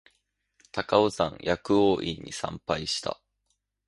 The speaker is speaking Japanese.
高尾山薬王院に参拝した